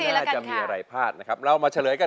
รูปสุดงามสมสังคมเครื่องใครแต่หน้าเสียดายใจทดสกัน